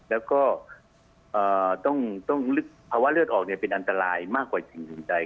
แล้วก็ต้องลึกเพราะว่าเลือดออกเป็นอันตรายมากกว่าสิ่งสุดใจ